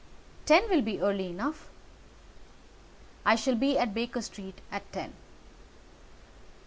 "Ten will be early enough." "I shall be at Baker Street at ten."